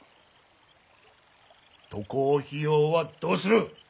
渡航費用はどうする。